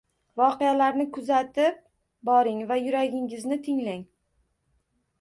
Voqealarni kuzatib boring va yuragingizni tinglang